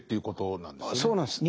そうなんです。